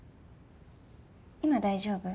今大丈夫？